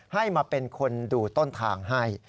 ให้มาเป็นคนดูต้นทางให้